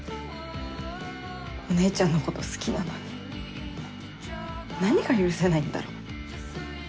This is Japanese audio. お姉ちゃんのこと好きなのに何が許せないんだろう。